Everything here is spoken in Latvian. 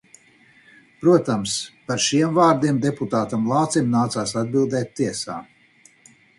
Protams, par šiem vārdiem deputātam Lācim nācās atbildēt tiesā.